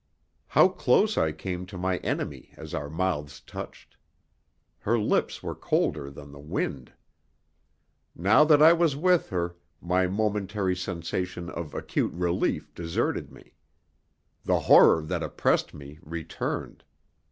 How close I came to my enemy as our mouths touched! Her lips were colder than the wind. Now that I was with her, my momentary sensation of acute relief deserted me. The horror that oppressed me returned.